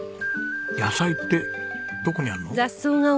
野菜ってどこにあるの？